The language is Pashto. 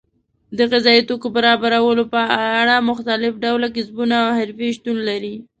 د غذایي توکو برابرولو په اړه مختلف ډول کسبونه او حرفې شتون لري.